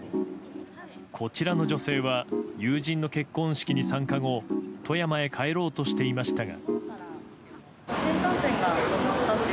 こちらの女性は友人の結婚式に参加後富山へ帰ろうとしていましたが。